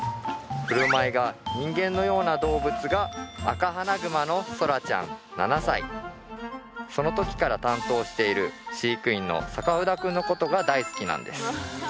振る舞いが人間のような動物がアカハナグマのソラちゃん７歳その時から担当している飼育員の坂不田くんのことが大好きなんです